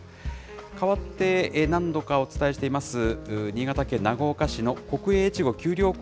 かわって、何度かお伝えしています、新潟県長岡市の国営えちごきゅう